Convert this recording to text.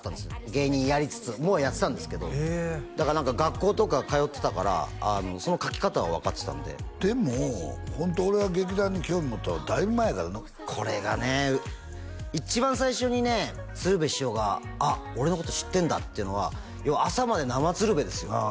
芸人やりつつもうやってたんですけどだから何か学校とか通ってたからその書き方は分かってたんででもホント俺が劇団に興味持ったのだいぶ前やからなこれがね一番最初にね鶴瓶師匠が俺のこと知ってんだっていうのは要は「朝まで生つるべ」ですよ